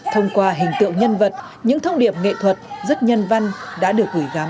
thông qua hình tượng nhân vật những thông điệp nghệ thuật rất nhân văn đã được gửi gắ